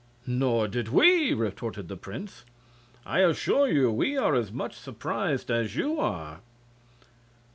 "Nor did we!" retorted the prince. "I assure you we are as much surprised as you are."